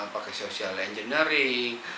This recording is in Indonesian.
pakai social engineering